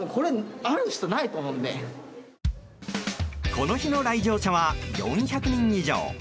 この日の来場者は４００人以上。